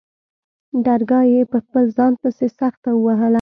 درگاه يې په ځان پسې سخته ووهله.